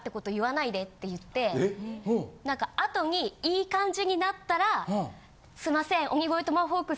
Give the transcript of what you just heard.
何か後にいい感じになったらすいません。